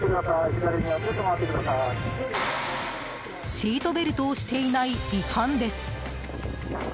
シートベルトをしていない違反です。